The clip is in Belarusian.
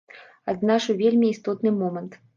Адзначу вельмі істотны момант.